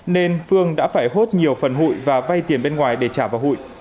nên phương đã phải hốt nhiều phần hụi và vay tiền bên ngoài để trả vào hụi